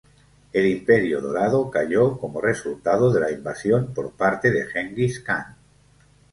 El Imperio Dorado cayó como resultado de la invasión por parte de Gengis Kan.